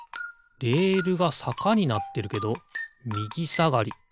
レールがさかになってるけどみぎさがり。